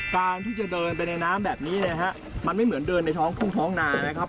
การที่จะเดินไปในน้ำแบบนี้นะฮะมันไม่เหมือนเดินในท้องทุ่งท้องนานะครับ